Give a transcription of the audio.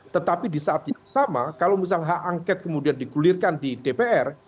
tetapi di saat yang sama kalau misalnya hak angket kemudian digulirkan di dpr